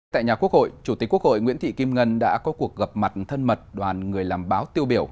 tại nhà quốc hội chủ tịch quốc hội nguyễn thị kim ngân đã có cuộc gặp mặt thân mật đoàn người làm báo tiêu biểu